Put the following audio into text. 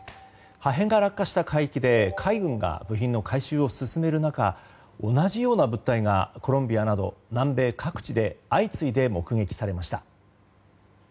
破片が落下した海域で海軍が部品の回収を進める中同じような物体がコロンビアなど南米各地で相次いで目撃されました。